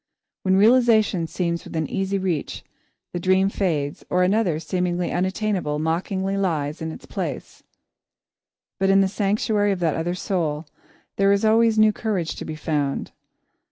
When realisation seems within easy reach, the dream fades, or another, seemingly unattainable, mockingly takes its place. But in the sanctuary of that other soul, there is always new courage to be found.